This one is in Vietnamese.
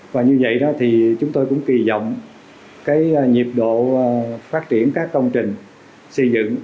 và như vậy đó thì chúng tôi cũng kỳ vọng nhiệt độ phát triển các công trình xây dựng